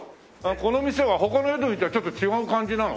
この店は他のエドウインとはちょっと違う感じなの？